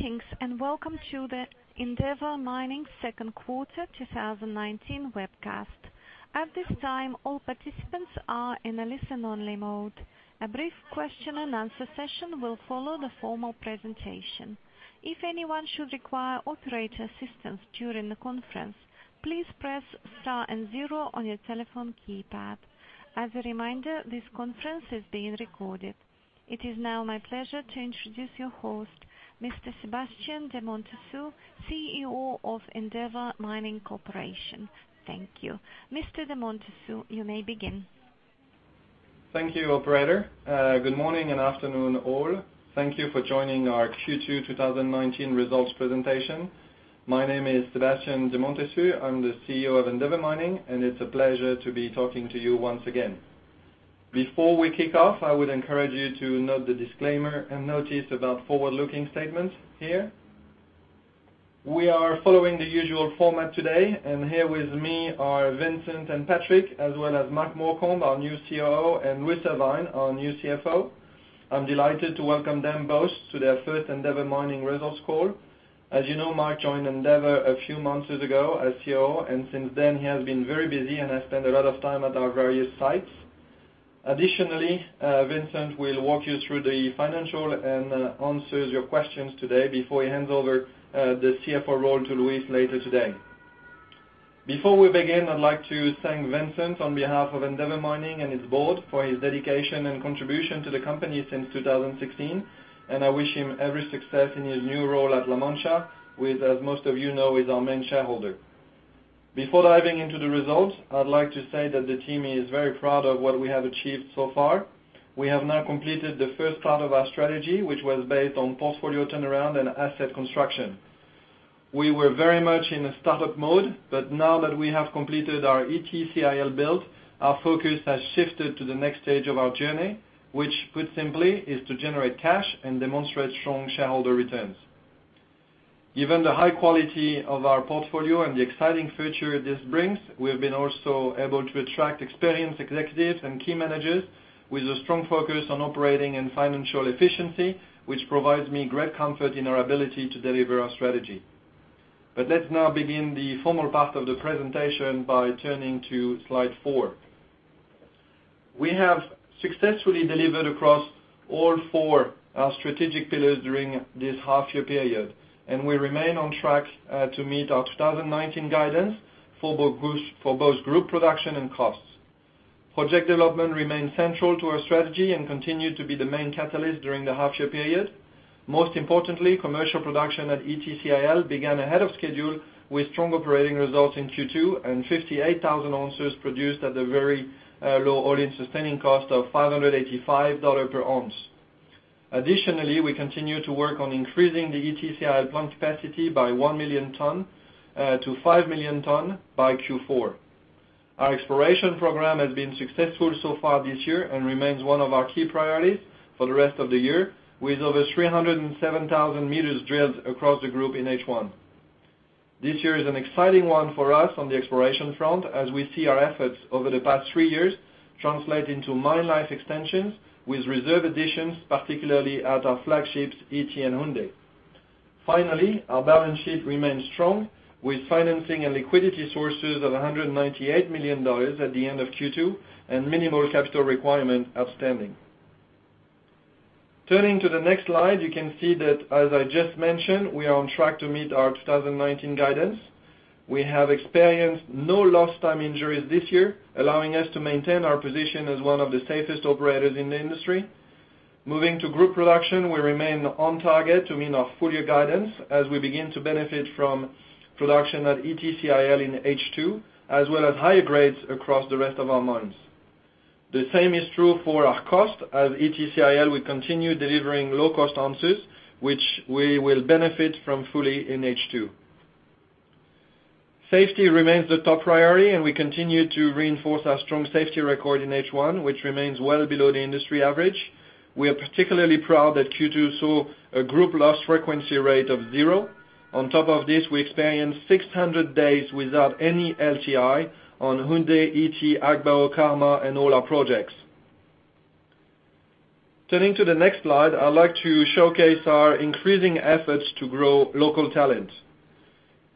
Greetings, and welcome to the Endeavour Mining Second Quarter 2019 Webcast. At this time, all participants are in a listen-only mode. A brief question and answer session will follow the formal presentation. If anyone should require operator assistance during the conference, please press Star and Zero on your telephone keypad. As a reminder, this conference is being recorded. It is now my pleasure to introduce your host, Mr. Sébastien de Montessus, CEO of Endeavour Mining plc. Thank you. Mr. de Montessus, you may begin. Thank you, operator. Good morning and afternoon all. Thank you for joining our Q2 2019 results presentation. My name is Sébastien de Montessus. I'm the CEO of Endeavour Mining, and it's a pleasure to be talking to you once again. Before we kick off, I would encourage you to note the disclaimer and notice about forward-looking statements here. We are following the usual format today, and here with me are Vincent and Patrick, as well as Mark Morcombe, our new COO, and Louis Irvine, our new CFO. I'm delighted to welcome them both to their first Endeavour Mining results call. As you know, Mark joined Endeavour a few months ago as COO, and since then he has been very busy and has spent a lot of time at our various sites. Vincent will walk you through the financial and answers your questions today before he hands over the CFO role to Louis later today. Before we begin, I'd like to thank Vincent on behalf of Endeavour Mining and its board for his dedication and contribution to the company since 2016, and I wish him every success in his new role at La Mancha with, as most of you know, is our main shareholder. Before diving into the results, I'd like to say that the team is very proud of what we have achieved so far. We have now completed the first part of our strategy, which was based on portfolio turnaround and asset construction. We were very much in a startup mode, now that we have completed our Ity CIL build, our focus has shifted to the next stage of our journey, which put simply is to generate cash and demonstrate strong shareholder returns. Given the high quality of our portfolio and the exciting future this brings, we have been also able to attract experienced executives and key managers with a strong focus on operating and financial efficiency, which provides me great comfort in our ability to deliver our strategy. Let's now begin the formal part of the presentation by turning to slide four. We have successfully delivered across all four strategic pillars during this half year period, we remain on track to meet our 2019 guidance for both group production and costs. Project development remains central to our strategy continue to be the main catalyst during the half year period. Most importantly, commercial production at Ity CIL began ahead of schedule with strong operating results in Q2 and 58,000 ounces produced at the very low all-in sustaining cost of $585 per ounce. Additionally, we continue to work on increasing the Ity CIL plant capacity by 1 million ton to 5 million ton by Q4. Our exploration program has been successful so far this year and remains one of our key priorities for the rest of the year, with over 307,000 meters drilled across the group in H1. This year is an exciting one for us on the exploration front as we see our efforts over the past three years translate into mine life extensions with reserve additions, particularly at our flagships Ity and Houndé. Finally, our balance sheet remains strong with financing and liquidity sources of $198 million at the end of Q2 and minimal capital requirement outstanding. Turning to the next slide, you can see that as I just mentioned, we are on track to meet our 2019 guidance. We have experienced no lost time injuries this year, allowing us to maintain our position as one of the safest operators in the industry. Moving to group production, we remain on target to meet our full year guidance as we begin to benefit from production at Ity CIL in H2, as well as higher grades across the rest of our mines. The same is true for our cost. At Ity CIL, we continue delivering low-cost answers, which we will benefit from fully in H2. Safety remains the top priority, and we continue to reinforce our strong safety record in H1, which remains well below the industry average. We are particularly proud that Q2 saw a group loss frequency rate of zero. On top of this, we experienced 600 days without any LTI on Houndé, Ity, Agbaou, Karma and all our projects. Turning to the next slide, I'd like to showcase our increasing efforts to grow local talent.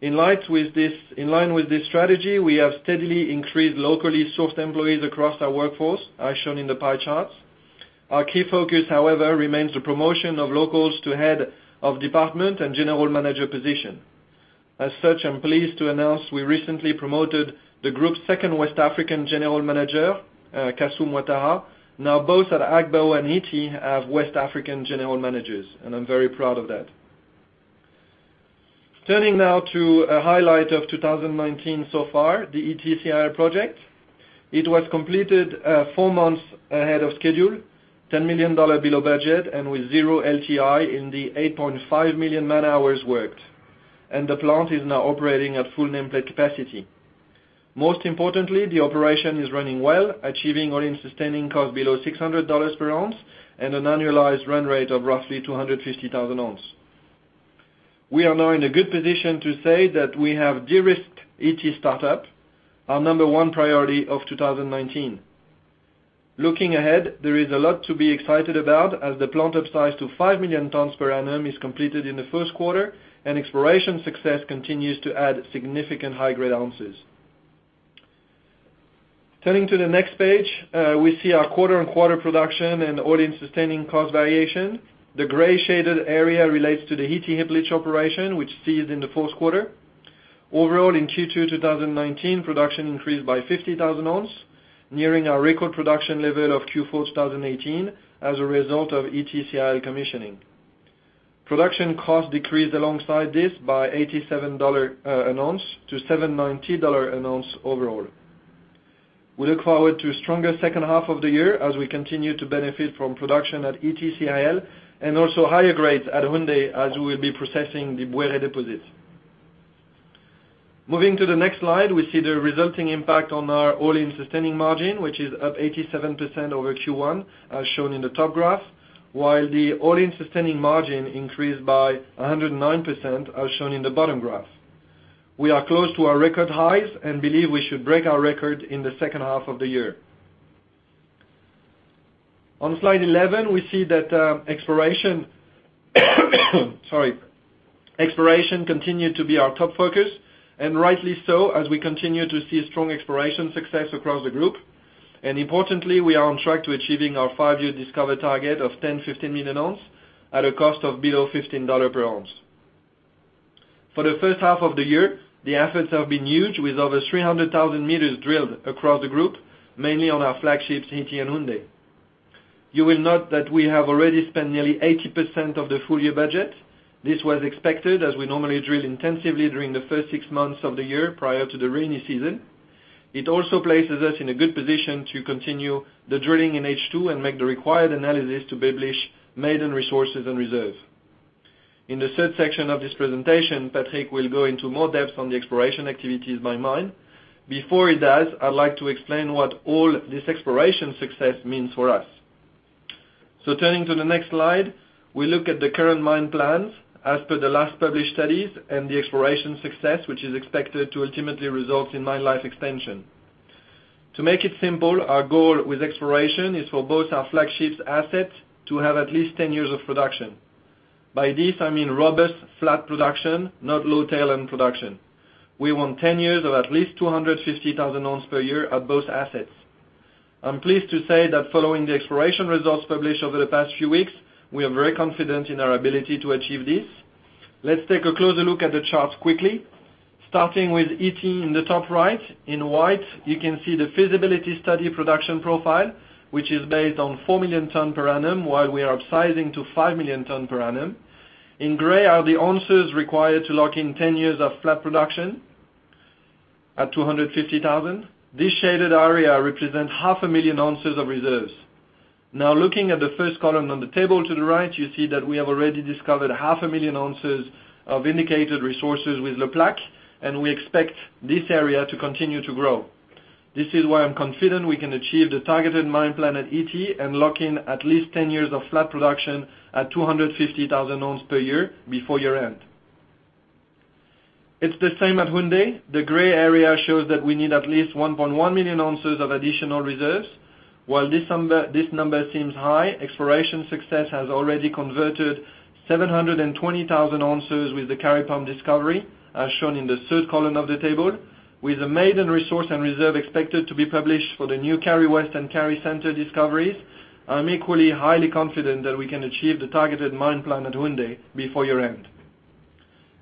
In line with this strategy, we have steadily increased locally sourced employees across our workforce, as shown in the pie charts. Our key focus, however, remains the promotion of locals to head of department and general manager position. As such, I'm pleased to announce we recently promoted the group's second West African general manager, Kassoum Ouattara. Now both at Agbaou and Ity have West African general managers, and I'm very proud of that. Turning now to a highlight of 2019 so far, the Ity CIL project. It was completed four months ahead of schedule, $10 million below budget, and with zero LTI in the 8.5 million man-hours worked. The plant is now operating at full nameplate capacity. Most importantly, the operation is running well, achieving all-in sustaining cost below $600 per ounce and an annualized run rate of roughly 250,000 ounces. We are now in a good position to say that we have de-risked Ity startup, our number one priority of 2019. Looking ahead, there is a lot to be excited about as the plant upsize to 5 million tons per annum is completed in the first quarter, and exploration success continues to add significant high-grade ounces. Turning to the next page, we see our quarter-on-quarter production and all-in sustaining cost variation. The gray shaded area relates to the Ity heap leach operation, which ceased in the fourth quarter. Overall, in Q2 2019, production increased by 50,000 ounces, nearing our record production level of Q4 2018 as a result of Ity CIL commissioning. Production cost decreased alongside this by $87 an ounce to $790 an ounce overall. We look forward to a stronger second half of the year as we continue to benefit from production at Ity CIL, and also higher grades at Houndé as we will be processing the Bouéré deposits. Moving to the next slide, we see the resulting impact on our all-in sustaining margin, which is up 87% over Q1, as shown in the top graph, while the all-in sustaining margin increased by 109%, as shown in the bottom graph. We are close to our record highs and believe we should break our record in the second half of the year. On slide 11, we see that exploration continued to be our top focus, and rightly so, as we continue to see strong exploration success across the group. Importantly, we are on track to achieving our five-year discovery target of 10-15 million ounces at a cost of below $15 per ounce. For the first half of the year, the efforts have been huge, with over 300,000 meters drilled across the group, mainly on our flagships, Ity and Houndé. You will note that we have already spent nearly 80% of the full-year budget. This was expected, as we normally drill intensively during the first six months of the year, prior to the rainy season. It also places us in a good position to continue the drilling in H2 and make the required analysis to publish maiden resources and reserves. In the third section of this presentation, Patrick will go into more depth on the exploration activities by mine. Before he does, I'd like to explain what all this exploration success means for us. Turning to the next slide, we look at the current mine plans as per the last published studies and the exploration success, which is expected to ultimately result in mine life extension. To make it simple, our goal with exploration is for both our flagship assets to have at least 10 years of production. By this, I mean robust, flat production, not low tail-end production. We want 10 years of at least 250,000 ounces per year at both assets. I'm pleased to say that following the exploration results published over the past few weeks, we are very confident in our ability to achieve this. Let's take a closer look at the charts quickly. Starting with Ity in the top right, in white, you can see the feasibility study production profile, which is based on 4 million tons per annum, while we are upsizing to 5 million tons per annum. In gray are the ounces required to lock in 10 years of flat production at 250,000. This shaded area represents half a million ounces of reserves. Now, looking at the first column on the table to the right, you see that we have already discovered half a million ounces of indicated resources with Le Plaque, and we expect this area to continue to grow. This is why I'm confident we can achieve the targeted mine plan at Ity and lock in at least 10 years of flat production at 250,000 ounce per year before year-end. It's the same at Houndé. The gray area shows that we need at least 1.1 million ounces of additional reserves. While this number seems high, exploration success has already converted 720,000 ounces with the Kari Pump discovery, as shown in the third column of the table. With a maiden resource and reserve expected to be published for the new Kari West and Kari Center discoveries, I'm equally highly confident that we can achieve the targeted mine plan at Houndé before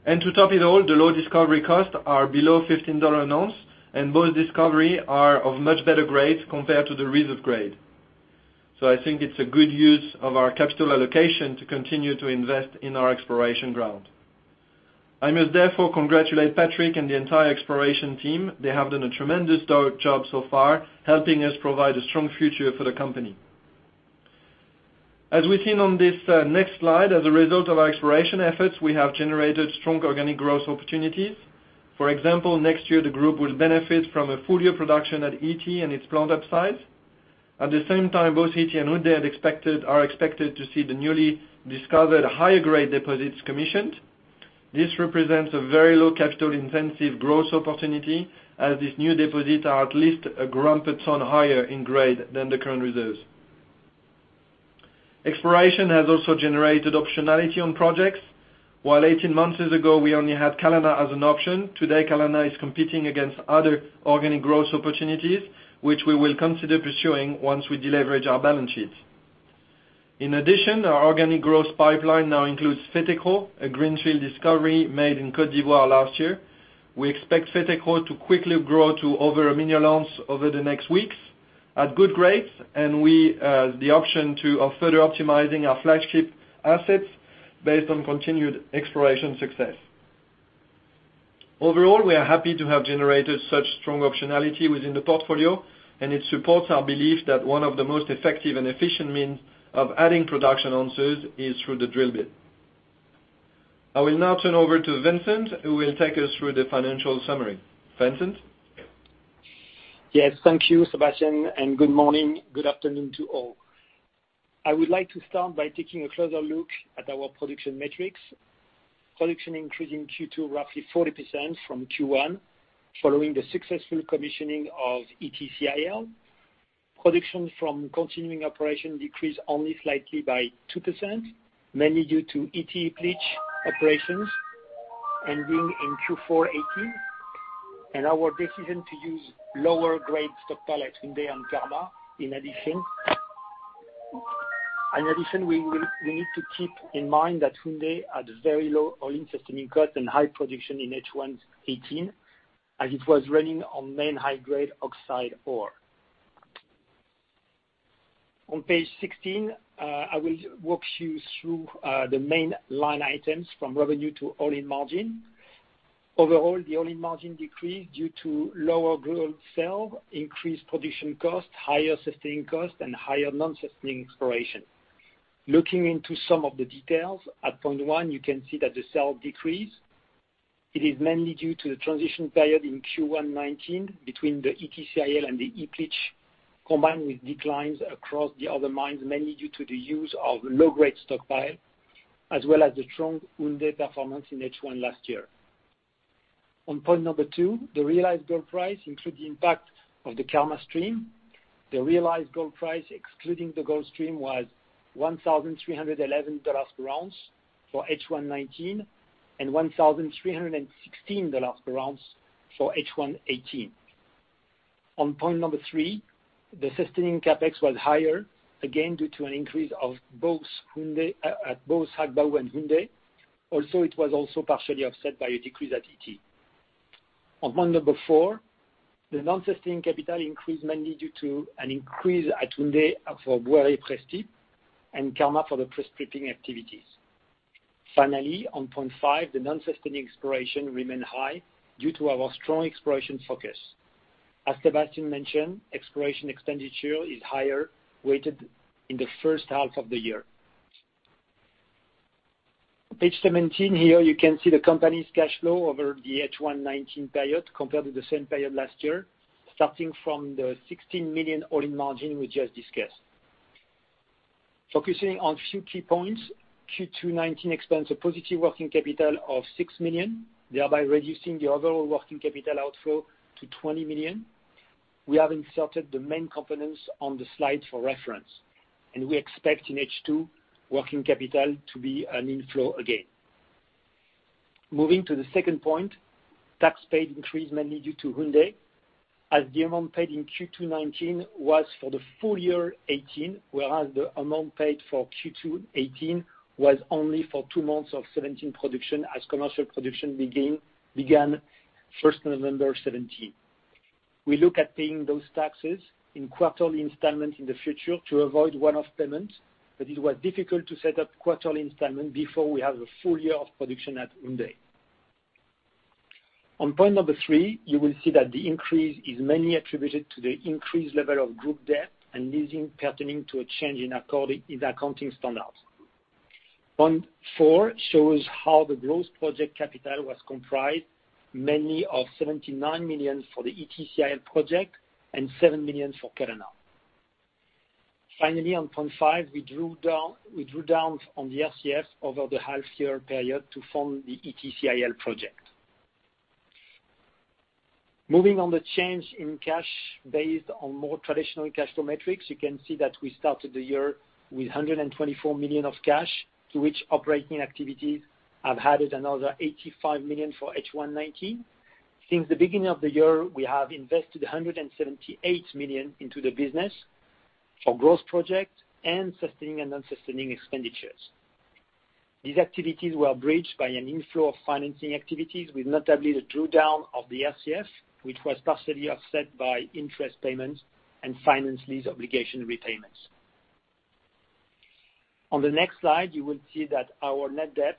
year-end. To top it all, the low discovery costs are below $15 an ounce, and both discovery are of much better grades compared to the reserve grade. I think it's a good use of our capital allocation to continue to invest in our exploration ground. I must therefore congratulate Patrick and the entire exploration team. They have done a tremendous job so far, helping us provide a strong future for the company. As we've seen on this next slide, as a result of our exploration efforts, we have generated strong organic growth opportunities. For example, next year the group will benefit from a full-year production at Ity and its plant upsize. At the same time, both Ity and Houndé are expected to see the newly discovered higher-grade deposits commissioned. This represents a very low capital-intensive growth opportunity, as this new deposit are at least a gram per ton higher in grade than the current reserves. Exploration has also generated optionality on projects. While 18 months ago, we only had Kalana as an option, today Kalana is competing against other organic growth opportunities, which we will consider pursuing once we de-leverage our balance sheets. In addition, our organic growth pipeline now includes Fetekro, a greenfield discovery made in Côte d'Ivoire last year. We expect Fetekro to quickly grow to over a million ounce over the next weeks at good grades, and the option to further optimizing our flagship assets based on continued exploration success. Overall, we are happy to have generated such strong optionality within the portfolio, and it supports our belief that one of the most effective and efficient means of adding production ounces is through the drill bit. I will now turn over to Vincent, who will take us through the financial summary. Vincent? Yes. Thank you, Sébastien, good morning, good afternoon to all. I would like to start by taking a closer look at our production metrics. Production increased in Q2 roughly 40% from Q1, following the successful commissioning of Ity CIL. Production from continuing operation decreased only slightly by 2%, mainly due to Ity leach operations ending in Q4 2018, and our decision to use lower grade stockpile at Houndé and Karma in addition. In addition, we need to keep in mind that Houndé had very low all-in sustaining cost and high production in H1 2018, as it was running on main high-grade oxide ore. On page 16, I will walk you through the main line items from revenue to all-in margin. Overall, the all-in margin decreased due to lower gold sale, increased production cost, higher sustaining cost, and higher non-sustaining exploration. Looking into some of the details, at point one, you can see that the sale decreased. It is mainly due to the transition period in Q1 2019 between the Ity CIL and the heap leach, combined with declines across the other mines, mainly due to the use of low-grade stockpile, as well as the strong Houndé performance in H1 last year. On point number two, the realized gold price includes the impact of the Karma stream. The realized gold price excluding the gold stream was $1,311 per ounce for H1 2019 and $1,316 per ounce for H1 2018. On point number three, the sustaining CapEx was higher, again due to an increase at both Agbaou and Houndé. It was also partially offset by a decrease at Ity. On point number four, the non-sustaining capital increased mainly due to an increase at Houndé for Bouéré pre-strip and Karma for the pre-stripping activities. Finally, on point 5, the non-sustaining exploration remained high due to our strong exploration focus. As Sébastien mentioned, exploration expenditure is higher weighted in the first half of the year. Page 17. Here, you can see the company's cash flow over the H1 2019 period compared to the same period last year, starting from the $16 million all-in margin we just discussed. Focusing on a few key points, Q2 2019 expands a positive working capital of $6 million, thereby reducing the overall working capital outflow to $20 million. We have inserted the main components on the slide for reference, and we expect in H2 working capital to be an inflow again. Moving to the second point, tax paid increased mainly due to Houndé, as the amount paid in Q2 2019 was for the full year 2018, whereas the amount paid for Q2 2018 was only for two months of 2017 production as commercial production began 1st November 2017. We look at paying those taxes in quarterly installments in the future to avoid one-off payments. It was difficult to set up quarterly installments before we have a full year of production at Houndé. On point number three, you will see that the increase is mainly attributed to the increased level of group debt and leasing pertaining to a change in accounting standards. Point four shows how the gross project capital was comprised, mainly of $79 million for the Ity CIL project and $7 million for Kalana. Finally, on point five, we drew down on the SCF over the half year period to fund the Ity CIL project. Moving on the change in cash based on more traditional cash flow metrics, you can see that we started the year with $124 million of cash, to which operating activities have added another $85 million for H1 2019. Since the beginning of the year, we have invested $178 million into the business for growth projects and sustaining and non-sustaining expenditures. These activities were bridged by an inflow of financing activities, with notably the drawdown of the SCF, which was partially offset by interest payments and finance lease obligation repayments. On the next slide, you will see that our net debt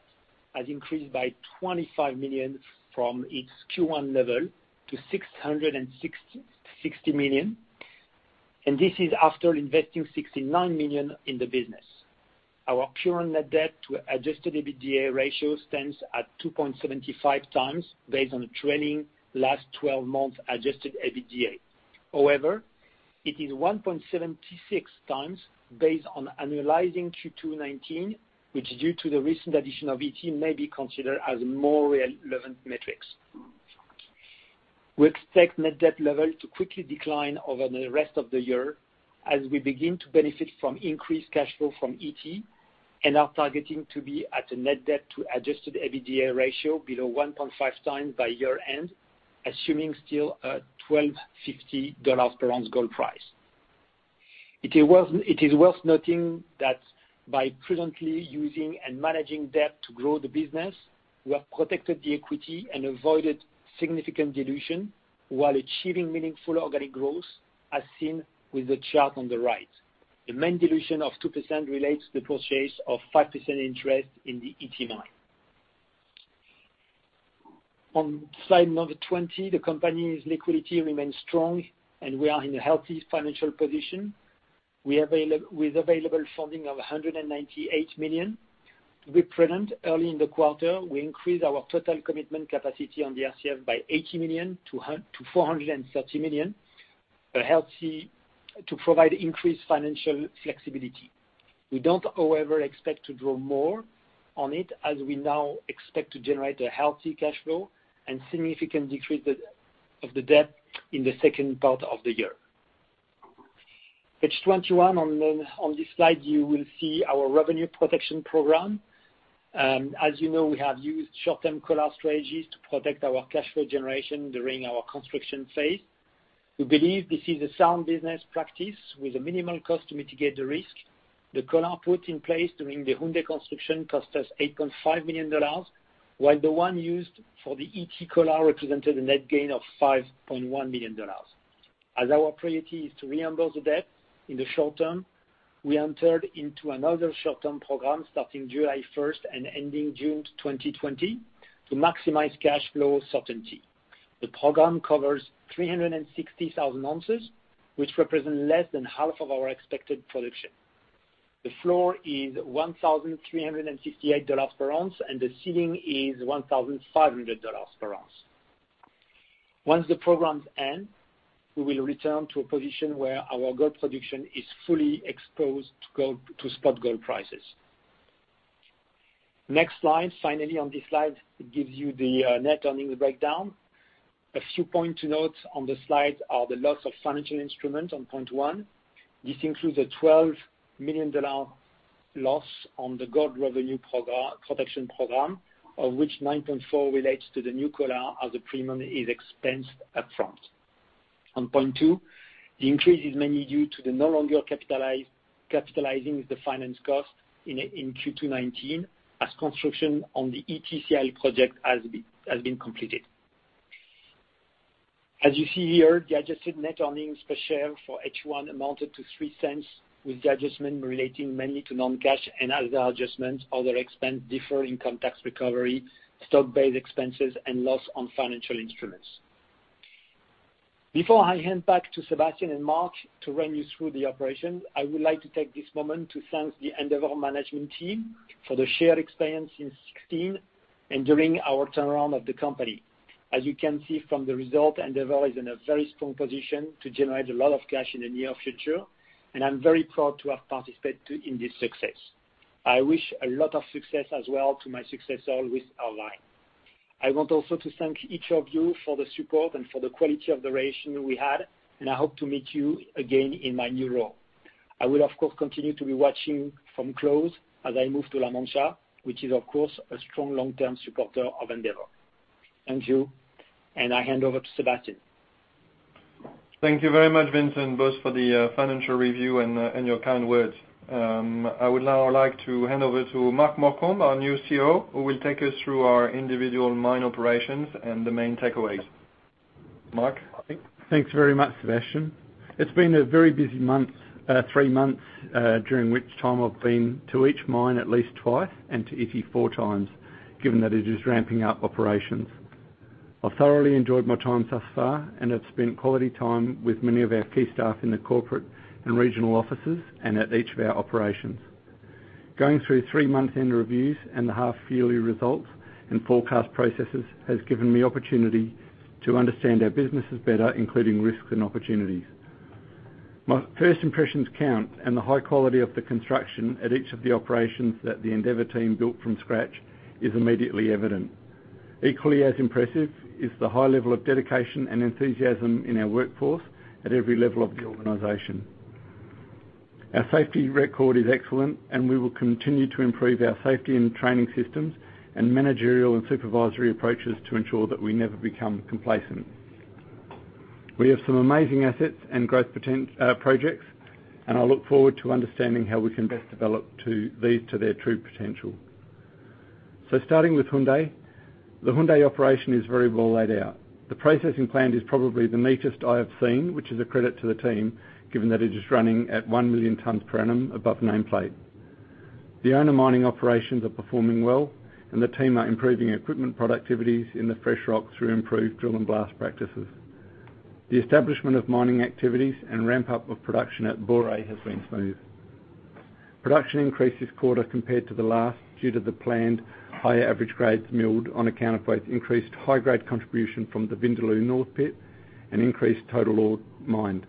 has increased by $25 million from its Q1 level to $660 million, and this is after investing $69 million in the business. Our pure net debt to adjusted EBITDA ratio stands at 2.75 times based on the trailing last 12 months adjusted EBITDA. It is 1.76 times based on analyzing Q2 2019, which, due to the recent addition of Ity, may be considered as a more relevant metric. We expect net debt level to quickly decline over the rest of the year as we begin to benefit from increased cash flow from Ity and are targeting to be at a net debt to adjusted EBITDA ratio below 1.5 times by year-end, assuming still a $1,250 per ounce gold price. It is worth noting that by prudently using and managing debt to grow the business, we have protected the equity and avoided significant dilution while achieving meaningful organic growth, as seen with the chart on the right. The main dilution of 2% relates to the purchase of 5% interest in the Ity mine. On slide 20, the company's liquidity remains strong, and we are in a healthy financial position with available funding of $198 million. To be prudent, early in the quarter, we increased our total commitment capacity on the RCF by $80 million to $430 million, to provide increased financial flexibility. We don't, however, expect to draw more on it, as we now expect to generate a healthy cash flow and significant decrease of the debt in the second part of the year. Page 21. On this slide, you will see our revenue protection program. As you know, we have used short-term collar strategies to protect our cash flow generation during our construction phase. We believe this is a sound business practice with a minimal cost to mitigate the risk. The collar put in place during the Houndé construction cost us $8.5 million, while the one used for the Ity collar represented a net gain of $5.1 million. Our priority is to reimburse the debt in the short term, we entered into another short-term program starting July 1st and ending June 2020 to maximize cash flow certainty. The program covers 360,000 ounces, which represent less than half of our expected production. The floor is $1,368 per ounce, the ceiling is $1,500 per ounce. Once the programs end, we will return to a position where our gold production is fully exposed to spot gold prices. Next slide. On this slide, it gives you the net earnings breakdown. A few points to note on the slide are the loss of financial instrument on point one. This includes a $12 million loss on the gold revenue protection program, of which 9.4 relates to the new collar as a premium is expensed up front. On point two, the increase is mainly due to the no longer capitalizing the finance cost in Q2 2019 as construction on the Ity CIL project has been completed. As you see here, the adjusted net earnings per share for H1 amounted to $0.03, with the adjustment relating mainly to non-cash and other adjustments, other expense deferred tax recovery, stock-based expenses, and loss on financial instruments. Before I hand back to Sébastien and Mark to run you through the operations, I would like to take this moment to thank the Endeavour Management team for the shared experience in 2016 and during our turnaround of the company. As you can see from the result, Endeavour is in a very strong position to generate a lot of cash in the near future, and I'm very proud to have participated in this success. I wish a lot of success as well to my successor, Louis Irvine. I want also to thank each of you for the support and for the quality of the relation we had, and I hope to meet you again in my new role. I will, of course, continue to be watching from close as I move to La Mancha, which is, of course, a strong long-term supporter of Endeavour. Thank you, and I hand over to Sébastien. Thank you very much, Vincent, both for the financial review and your kind words. I would now like to hand over to Mark Morcombe, our new CEO, who will take us through our individual mine operations and the main takeaways. Mark? Thanks very much, Sébastien. It's been a very busy three months, during which time I've been to each mine at least twice, and to Ity four times, given that it is ramping up operations. I've thoroughly enjoyed my time thus far and have spent quality time with many of our key staff in the corporate and regional offices and at each of our operations. Going through three-month end reviews and the half-yearly results and forecast processes has given me opportunity to understand our businesses better, including risks and opportunities. My first impressions count, and the high quality of the construction at each of the operations that the Endeavour team built from scratch is immediately evident. Equally as impressive is the high level of dedication and enthusiasm in our workforce at every level of the organization. Our safety record is excellent. We will continue to improve our safety and training systems and managerial and supervisory approaches to ensure that we never become complacent. We have some amazing assets and growth projects. I look forward to understanding how we can best develop these to their true potential. Starting with Houndé. The Houndé operation is very well laid out. The processing plant is probably the neatest I have seen, which is a credit to the team given that it is running at 1 million tons per annum above nameplate. The owner mining operations are performing well, and the team are improving equipment productivities in the fresh rock through improved drill and blast practices. The establishment of mining activities and ramp-up of production at Bouéré has been smooth. Production increased this quarter compared to the last due to the planned higher average grades milled on account of both increased high-grade contribution from the Vindaloo North pit and increased total ore mined,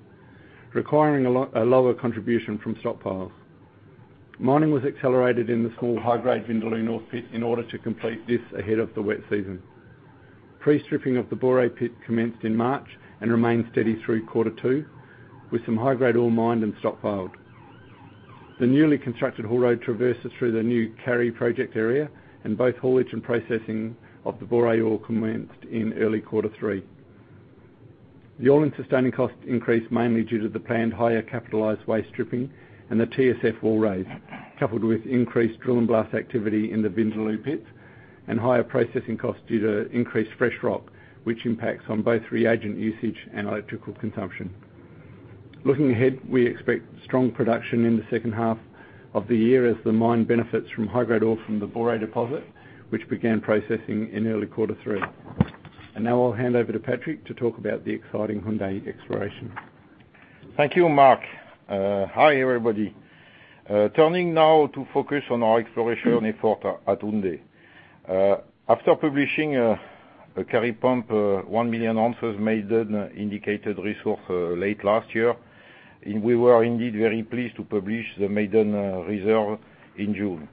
requiring a lower contribution from stockpiles. Mining was accelerated in the small high-grade Vindaloo North pit in order to complete this ahead of the wet season. Pre-stripping of the Bouéré pit commenced in March and remained steady through quarter two, with some high-grade ore mined and stockpiled. The newly constructed haul road traverses through the new Kari project area, and both haulage and processing of the Bouéré ore commenced in early quarter three. The all-in sustaining cost increased mainly due to the planned higher capitalized waste stripping and the TSF wall raise, coupled with increased drill and blast activity in the Vindaloo pits and higher processing costs due to increased fresh rock, which impacts on both reagent usage and electrical consumption. Looking ahead, we expect strong production in the second half of the year as the mine benefits from high-grade ore from the Bouéré deposit, which began processing in early quarter 3. Now I'll hand over to Patrick to talk about the exciting Houndé exploration. Thank you, Mark. Hi, everybody. Turning now to focus on our exploration effort at Houndé. After publishing Kari Pump 1 million ounces maiden indicated resource late last year, we were indeed very pleased to publish the maiden reserve in June.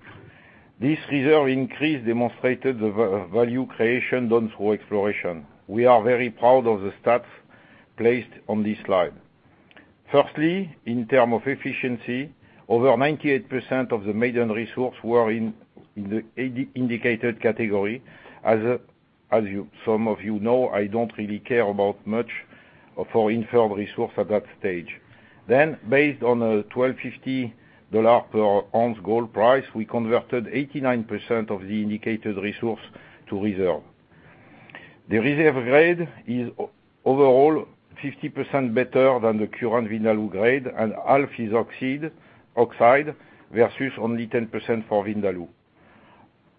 This reserve increase demonstrated the value creation done through exploration. We are very proud of the stats placed on this slide. Firstly, in term of efficiency, over 98% of the maiden resource were in the indicated category. As some of you know, I don't really care about much for inferred resource at that stage. Based on a $1,250 per ounce gold price, we converted 89% of the indicated resource to reserve. The reserve grade is overall 50% better than the current Vindaloo grade. Half is oxide versus only 10% for Vindaloo.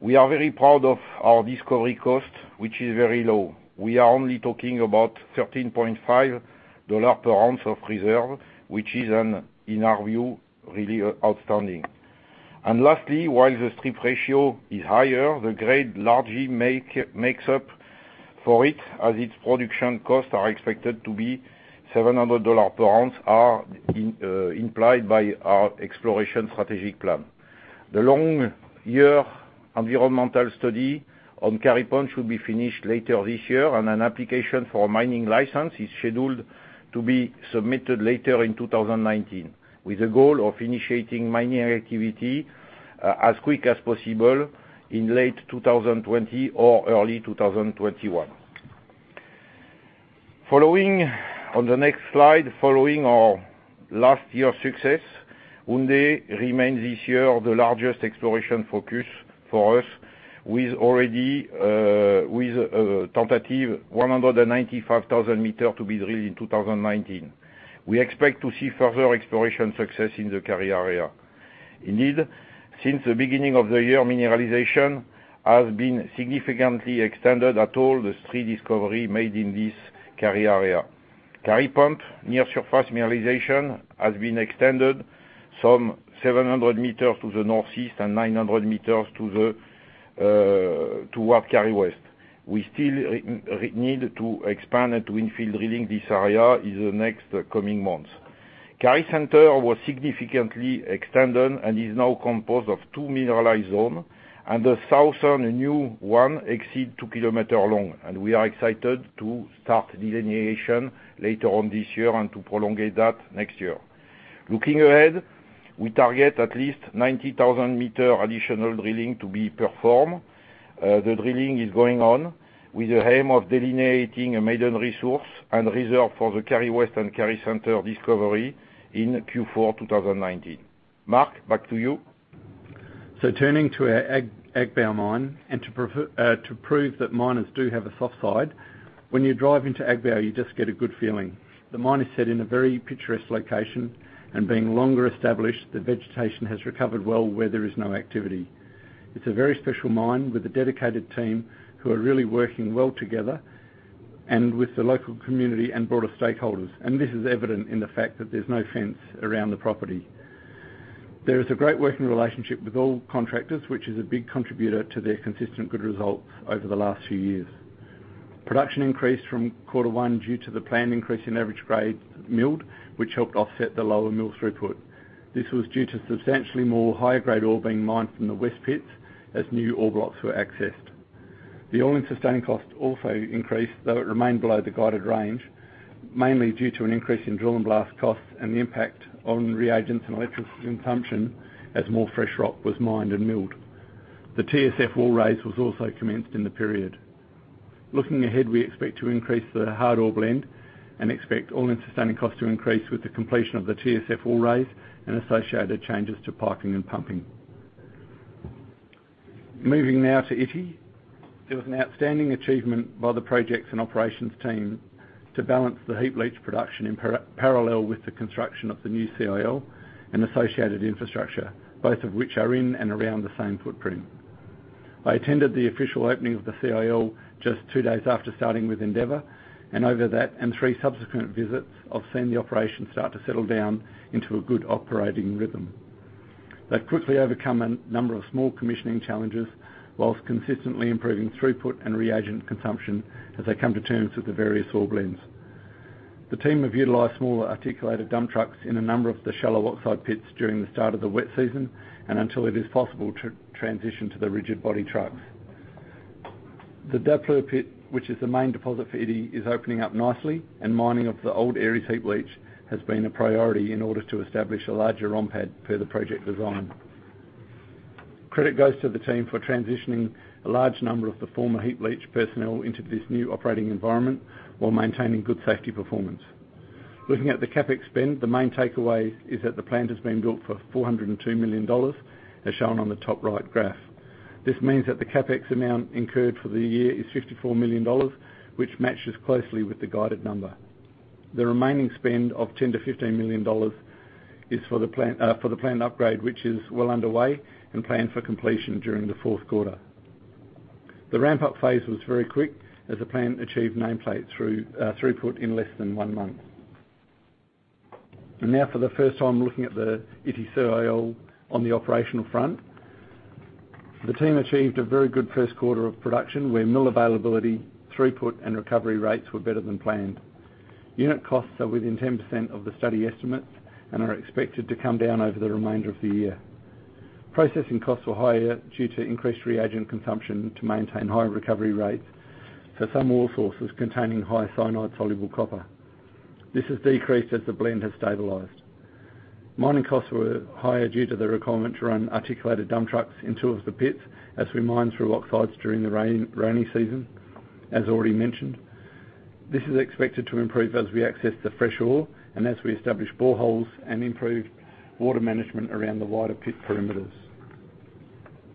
We are very proud of our discovery cost, which is very low. We are only talking about $13.50 per ounce of reserve, which is, in our view, really outstanding. Lastly, while the strip ratio is higher, the grade largely makes up for it, as its production costs are expected to be $700 per ounce are implied by our exploration strategic plan. The long year environmental study on Kari Pump should be finished later this year, and an application for a mining license is scheduled to be submitted later in 2019, with the goal of initiating mining activity as quick as possible in late 2020 or early 2021. On the next slide, following our last year's success, Houndé remains this year the largest exploration focus for us, with a tentative 195,000 meter to be drilled in 2019. We expect to see further exploration success in the Kari area. Indeed, since the beginning of the year, mineralization has been significantly extended at all the three discovery made in this Kari area. Kari Pump, near surface mineralization has been extended some 700 meters to the northeast and 900 meters towards Kari West. We still need to expand and to infill drilling this area in the next coming months. Kari Center was significantly extended and is now composed of two mineralized zone, and the southern new one exceed two kilometer long. We are excited to start delineation later on this year and to prolongate that next year. Looking ahead, we target at least 90,000 meter additional drilling to be performed. The drilling is going on with the aim of delineating a maiden resource and reserve for the Kari West and Kari Center discovery in Q4 2019. Mark, back to you. Turning to our Agbaou mine and to prove that miners do have a soft side, when you drive into Agbaou, you just get a good feeling. The mine is set in a very picturesque location, and being longer established, the vegetation has recovered well where there is no activity. It's a very special mine with a dedicated team who are really working well together and with the local community and broader stakeholders. This is evident in the fact that there's no fence around the property. There is a great working relationship with all contractors, which is a big contributor to their consistent good results over the last few years. Production increased from quarter one due to the planned increase in average grades milled, which helped offset the lower mill throughput. This was due to substantially more higher-grade ore being mined from the west pits as new ore blocks were accessed. The all-in sustaining cost also increased, though it remained below the guided range, mainly due to an increase in drill and blast costs and the impact on reagents and electricity consumption as more fresh rock was mined and milled. The TSF wall raise was also commenced in the period. Looking ahead, we expect to increase the hard ore blend and expect all-in sustaining costs to increase with the completion of the TSF wall raise and associated changes to parking and pumping. Moving now to Ity. It was an outstanding achievement by the projects and operations team to balance the heap leach production in parallel with the construction of the new CIL and associated infrastructure, both of which are in and around the same footprint. I attended the official opening of the CIL just two days after starting with Endeavour, and over that and three subsequent visits, I've seen the operation start to settle down into a good operating rhythm. They've quickly overcome a number of small commissioning challenges whilst consistently improving throughput and reagent consumption as they come to terms with the various ore blends. The team have utilized smaller articulated dump trucks in a number of the shallow oxide pits during the start of the wet season and until it is possible to transition to the rigid body trucks. The Daapleu pit, which is the main deposit for Ity, is opening up nicely, and mining of the old Aries heap leach has been a priority in order to establish a larger ROM pad per the project design. Credit goes to the team for transitioning a large number of the former heap leach personnel into this new operating environment while maintaining good safety performance. Looking at the CapEx spend, the main takeaway is that the plant has been built for $402 million, as shown on the top right graph. This means that the CapEx amount incurred for the year is $54 million, which matches closely with the guided number. The remaining spend of $10 million-$15 million is for the planned upgrade, which is well underway and planned for completion during the fourth quarter. The ramp-up phase was very quick as the plant achieved nameplate throughput in less than one month. Now for the first time, looking at the Ity CIL on the operational front. The team achieved a very good first quarter of production where mill availability, throughput, and recovery rates were better than planned. Unit costs are within 10% of the study estimates and are expected to come down over the remainder of the year. Processing costs were higher due to increased reagent consumption to maintain higher recovery rates for some ore sources containing high cyanide soluble copper. This has decreased as the blend has stabilized. Mining costs were higher due to the requirement to run articulated dump trucks in two of the pits as we mined through oxides during the rainy season, as already mentioned. This is expected to improve as we access the fresh ore and as we establish boreholes and improve water management around the wider pit perimeters.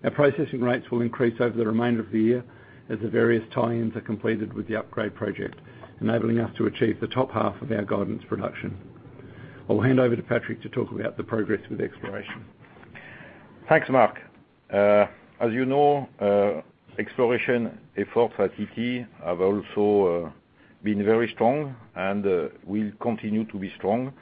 Our processing rates will increase over the remainder of the year as the various tie-ins are completed with the upgrade project, enabling us to achieve the top half of our guidance production. I will hand over to Patrick to talk about the progress with exploration. Thanks, Mark. As you know, exploration efforts at Ity have also been very strong and will continue to be strong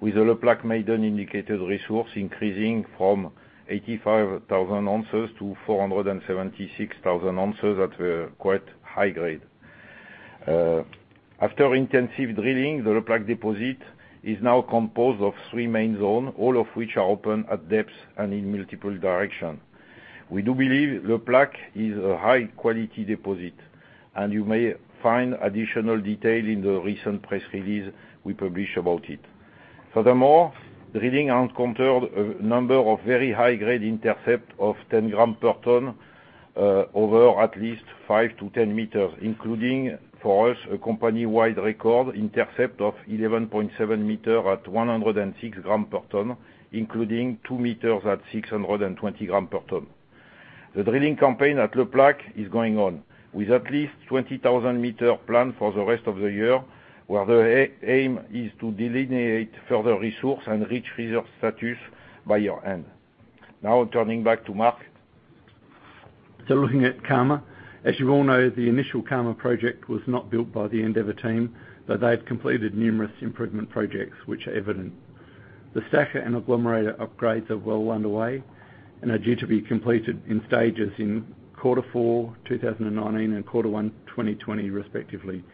with the Le Plaque maiden indicated resource increasing from 85,000 ounces to 476,000 ounces at a quite high grade. After intensive drilling, the Le Plaque deposit is now composed of 3 main zones, all of which are open at depths and in multiple directions. We do believe Le Plaque is a high-quality deposit, and you may find additional detail in the recent press release we published about it. Furthermore, the drilling encountered a number of very high-grade intercepts of 10 gram per tonne over at least 5-10 meters, including, for us, a company-wide record intercept of 11.7 meters at 106 gram per tonne, including two meters at 620 gram per tonne. The drilling campaign at Le Plaque is going on with at least 20,000 meters planned for the rest of the year, where the aim is to delineate further resource and reach reserve status by year-end. Now turning back to Mark. Looking at Karma. As you all know, the initial Karma project was not built by the Endeavour team, but they've completed numerous improvement projects which are evident. The stacker and agglomerator upgrades are well underway and are due to be completed in stages in quarter four 2019 and quarter one 2020 respectively,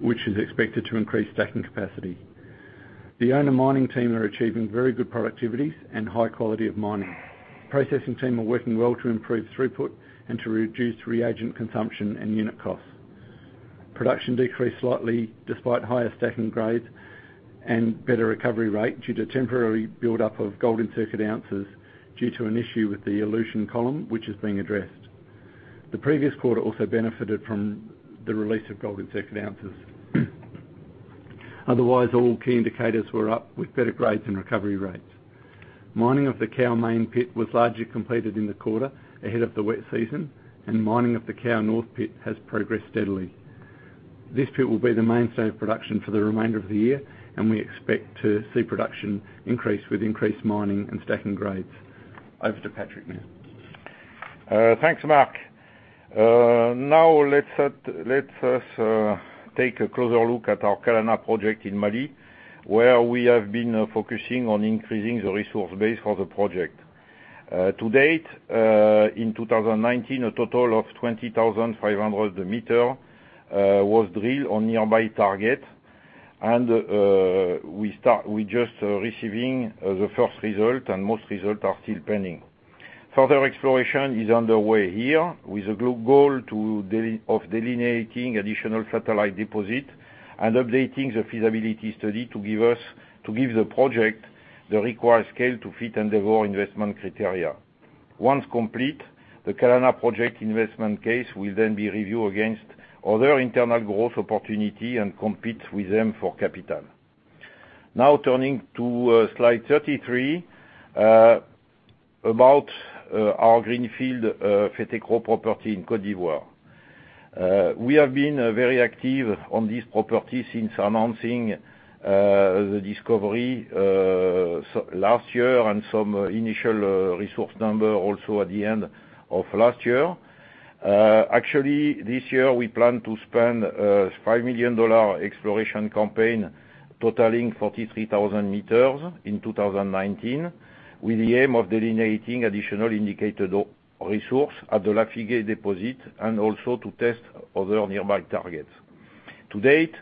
which is expected to increase stacking capacity. The owner mining team are achieving very good productivities and high quality of mining. The processing team are working well to improve throughput and to reduce reagent consumption and unit costs. Production decreased slightly despite higher stacking grades and better recovery rate due to temporary buildup of gold in circuit ounces due to an issue with the elution column, which is being addressed. The previous quarter also benefited from the release of gold in circuit ounces. Otherwise, all key indicators were up with better grades and recovery rates. Mining of the Kao Main pit was largely completed in the quarter ahead of the wet season, mining of the Kao North pit has progressed steadily. This pit will be the mainstay of production for the remainder of the year, we expect to see production increase with increased mining and stacking grades. Over to Patrick now. Let us take a closer look at our Kalana project in Mali, where we have been focusing on increasing the resource base for the project. To date, in 2019, a total of 20,500 meters was drilled on nearby target, we're just receiving the first result, and most results are still pending. Further exploration is underway here with a goal of delineating additional satellite deposit and updating the feasibility study to give the project the required scale to fit Endeavour investment criteria. Once complete, the Kalana Project investment case will be reviewed against other internal growth opportunity and compete with them for capital. Turning to slide 33, about our greenfield Fetekro property in Côte d'Ivoire. We have been very active on this property since announcing the discovery last year and some initial resource number also at the end of last year. Actually, this year, we plan to spend a $5 million exploration campaign totaling 43,000 meters in 2019, with the aim of delineating additional indicated resource at the Lafigué deposit and also to test other nearby targets. To date,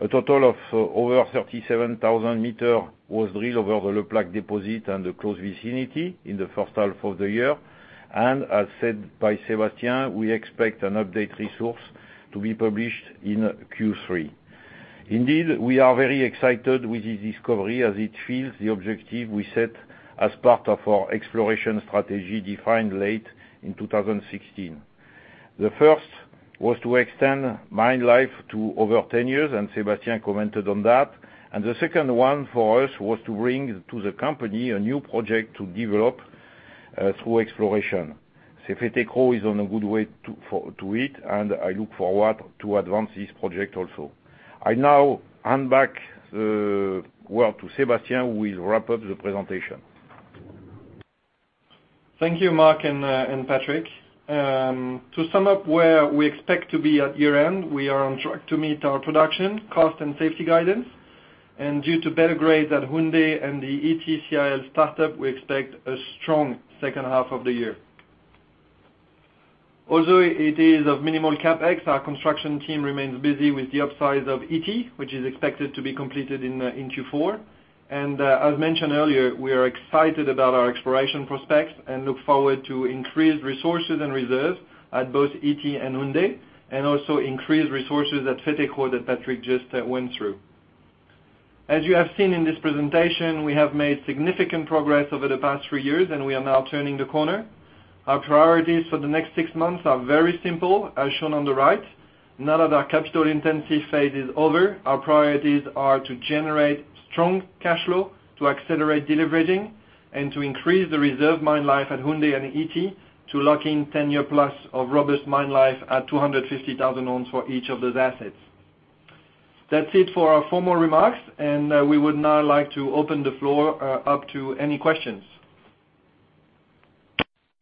a total of over 37,000 meters was drilled over the Le Plaque deposit and the close vicinity in the first half of the year. As said by Sébastien, we expect an update resource to be published in Q3. Indeed, we are very excited with this discovery as it fits the objective we set as part of our exploration strategy defined late in 2016. The first was to extend mine life to over 10 years, and Sébastien commented on that. The second one for us was to bring to the company a new project to develop through exploration. Fetekro is on a good way to it, and I look forward to advance this project also. I now hand back the work to Sébastien, who will wrap up the presentation. Thank you, Mark and Patrick. To sum up where we expect to be at year-end, we are on track to meet our production, cost, and safety guidance. Due to better grades at Houndé and the Ity CIL startup, we expect a strong second half of the year. Although it is of minimal CapEx, our construction team remains busy with the upsize of Ity, which is expected to be completed in Q4. As mentioned earlier, we are excited about our exploration prospects and look forward to increased resources and reserves at both Ity and Houndé, also increased resources at Fetekro that Patrick just went through. As you have seen in this presentation, we have made significant progress over the past three years, and we are now turning the corner. Our priorities for the next six months are very simple, as shown on the right. Now that our capital-intensive phase is over, our priorities are to generate strong cash flow, to accelerate de-leveraging, and to increase the reserve mine life at Houndé and Ity to lock in 10-year plus of robust mine life at 250,000 ounce for each of those assets. That's it for our formal remarks, and we would now like to open the floor up to any questions.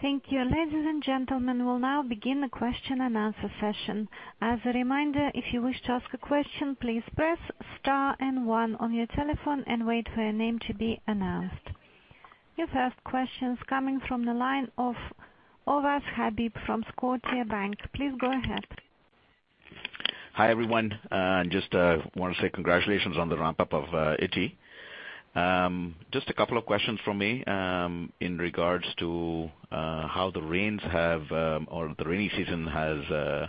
Thank you. Ladies and gentlemen, we'll now begin the question and answer session. As a reminder, if you wish to ask a question, please press * and 1 on your telephone and wait for your name to be announced. Your first question's coming from the line of Ovais Habib from Scotiabank. Please go ahead. Hi, everyone. Just want to say congratulations on the ramp-up of Ity. Just a couple of questions from me, in regards to how the rainy season has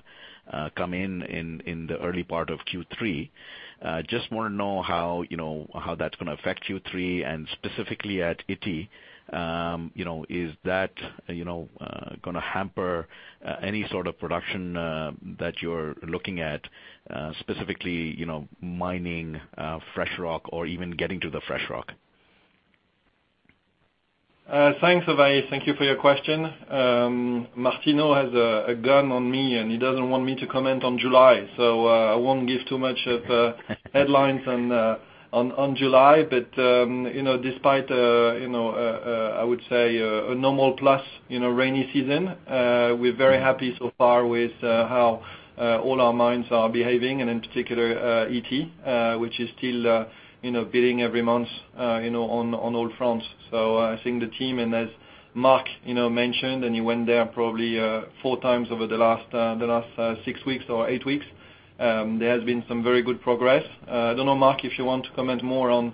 come in in the early part of Q3. Just want to know how that's going to affect Q3 and specifically at Ity. Is that going to hamper any sort of production that you're looking at, specifically mining fresh rock or even getting to the fresh rock? Thanks, Ovais. Thank you for your question. Martino has a gun on me, he doesn't want me to comment on July. I won't give too much of the headlines on July. Despite, I would say, a normal plus rainy season, we're very happy so far with how all our mines are behaving, in particular Ity, which is still beating every month on all fronts. I think the team, as Mark mentioned, he went there probably four times over the last six weeks or eight weeks, there has been some very good progress. I don't know, Mark, if you want to comment more on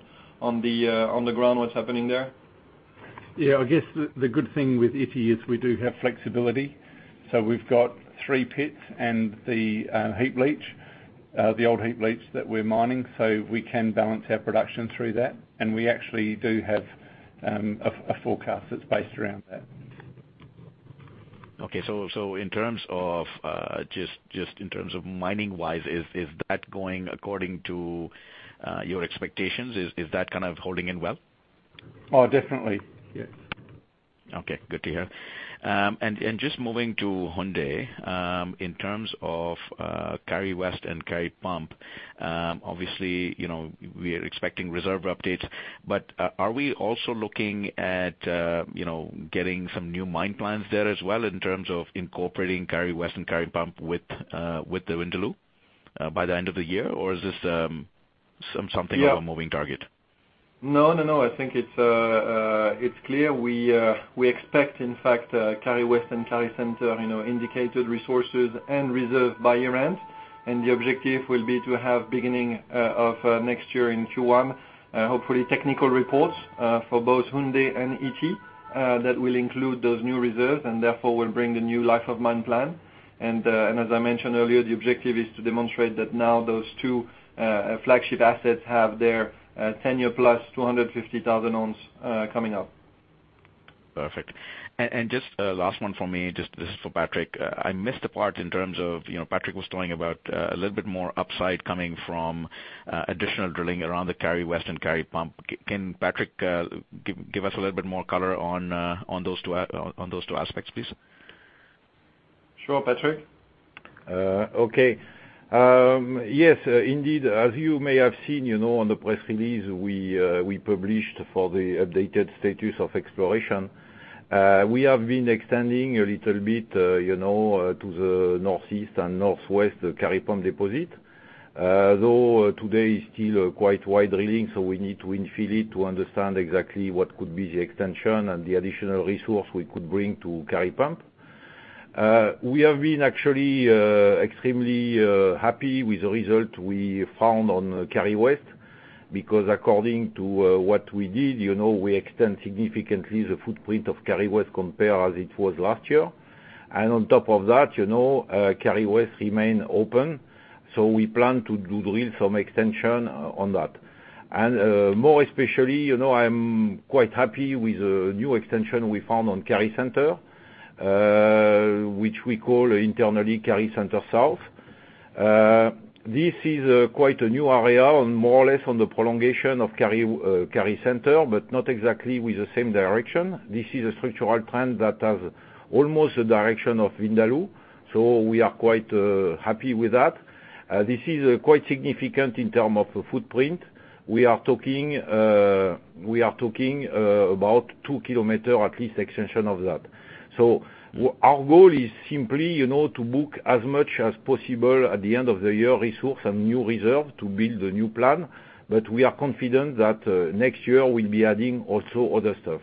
the ground, what's happening there. Yeah, I guess the good thing with Ity is we do have flexibility. We've got three pits and the heap leach, the old heap leach that we're mining, so we can balance our production through that. We actually do have a forecast that's based around that. Okay. Just in terms of mining-wise, is that going according to your expectations? Is that holding in well? Oh, definitely. Yeah. Okay, good to hear. Just moving to Houndé, in terms of Kari West and Kari Pump, obviously, we are expecting reserve updates. Are we also looking at getting some new mine plans there as well in terms of incorporating Kari West and Kari Pump with the Vindaloo by the end of the year? Is this something of a moving target? No, I think it's clear. We expect, in fact, Kari West and Kari Center indicated resources and reserve by year-end. The objective will be to have beginning of next year in Q1, hopefully technical reports for both Houndé and Ity that will include those new reserves and therefore will bring the new life of mine plan. As I mentioned earlier, the objective is to demonstrate that now those two flagship assets have their 10-year plus 250,000 ounce coming up. Perfect. Just last one from me, just for Patrick. I missed the part in terms of, Patrick was talking about a little bit more upside coming from additional drilling around the Kari West and Kari Pump. Can Patrick give us a little bit more color on those two aspects, please? Sure. Patrick? Okay. Yes, indeed. As you may have seen on the press release we published for the updated status of exploration, we have been extending a little bit to the northeast and northwest Kari Pump deposit. Today is still quite wide drilling, so we need to infill it to understand exactly what could be the extension and the additional resource we could bring to Kari Pump. We have been actually extremely happy with the result we found on Kari West, because according to what we did, we extend significantly the footprint of Kari West compared as it was last year. On top of that, Kari West remain open. We plan to do drill some extension on that. More especially, I'm quite happy with the new extension we found on Kari Center, which we call internally Kari Center South. This is quite a new area and more or less on the prolongation of Kari Center, but not exactly with the same direction. This is a structural trend that has almost the direction of Vindaloo, so we are quite happy with that. This is quite significant in term of footprint. We are talking about 2 kilometers at least extension of that. Our goal is simply to book as much as possible at the end of the year, resource and new reserve to build a new plan. We are confident that next year we'll be adding also other stuff.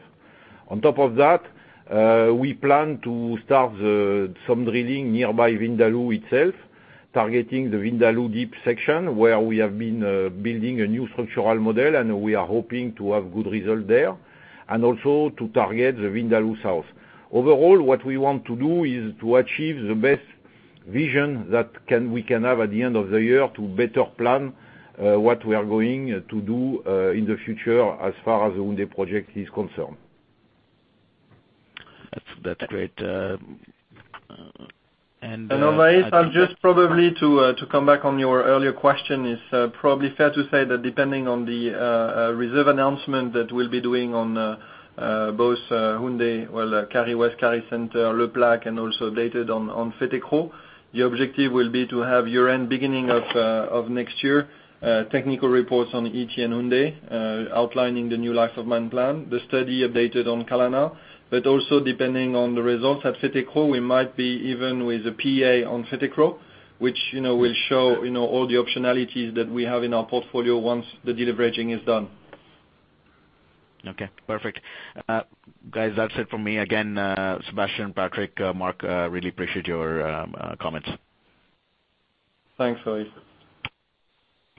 On top of that, we plan to start some drilling nearby Vindaloo itself, targeting the Vindaloo Deeps section, where we have been building a new structural model, and we are hoping to have good result there, and also to target the Vindaloo South. Overall, what we want to do is to achieve the best vision that we can have at the end of the year to better plan what we are going to do in the future as far as the Houndé project is concerned. That's great. Ovais, I'll just probably to come back on your earlier question, it's probably fair to say that depending on the reserve announcement that we'll be doing on both Houndé, well, Kari West, Kari Center, Le Plaque, and also updated on Fetekro. The objective will be to have year-end, beginning of next year technical reports on Ity and Houndé outlining the new life of mine plan. The study updated on Kalana, depending on the results at Fetekro, we might be even with a PEA on Fetekro, which will show all the optionalities that we have in our portfolio once the deleveraging is done. Okay, perfect. Guys, that's it for me. Sébastien, Patrick, Mark, really appreciate your comments. Thanks, Ovais.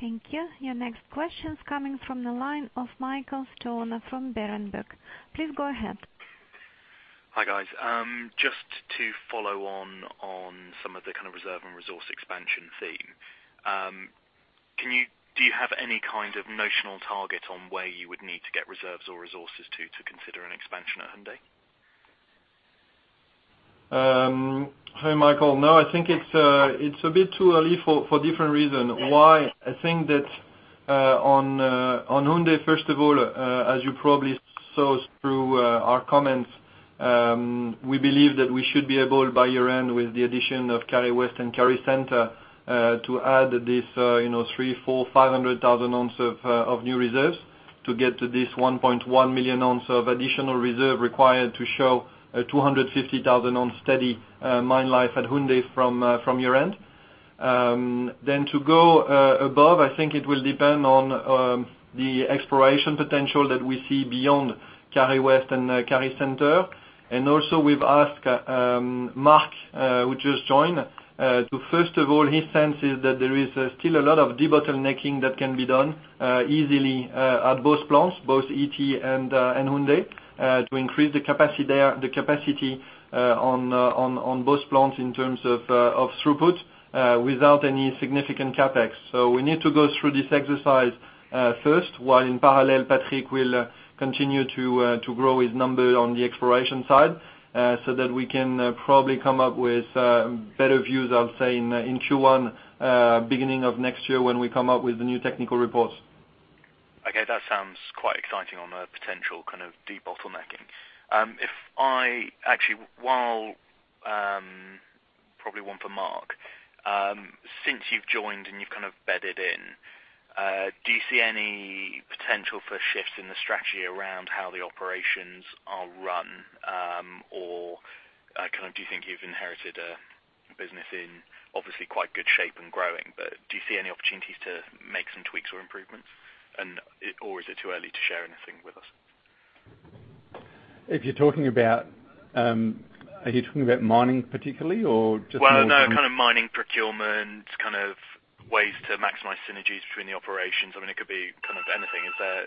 Thank you. Your next question's coming from the line of Michael Stoner from Berenberg. Please go ahead. Hi, guys. Just to follow on some of the kind of reserve and resource expansion theme. Do you have any kind of notional target on where you would need to get reserves or resources to consider an expansion at Houndé? Hi, Michael. No, I think it's a bit too early for different reason. Why? I think that on Houndé, first of all, as you probably saw through our comments, we believe that we should be able, by year-end, with the addition of Kari West and Kari Center, to add this three, four, 500,000 ounces of new reserves to get to this 1.1 million ounces of additional reserve required to show a 250,000 ounces of steady mine life at Houndé from year-end. To go above, I think it will depend on the exploration potential that we see beyond Kari West and Kari Center. Also we've asked Mark, who just joined, to first of all, his sense is that there is still a lot of debottlenecking that can be done easily at both plants, both Ity and Houndé, to increase the capacity on both plants in terms of throughput without any significant CapEx. We need to go through this exercise first, while in parallel, Patrick will continue to grow his number on the exploration side so that we can probably come up with better views, I'll say, in Q1, beginning of next year when we come up with the new technical reports. Okay, that sounds quite exciting on a potential kind of debottlenecking. Actually, one probably one for Mark. Since you've joined and you've kind of bedded in, do you see any potential for shifts in the strategy around how the operations are run? Or do you think you've inherited a business in obviously quite good shape and growing, but do you see any opportunities to make some tweaks or improvements? Or is it too early to share anything with us? If you're talking about mining particularly, or just more- Well, no, kind of mining procurement, kind of ways to maximize synergies between the operations. I mean, it could be kind of anything. Is there